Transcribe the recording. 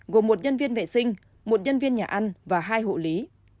gồm một nhân viên vệ sinh một nhân viên nhà ăn và hai hộ lý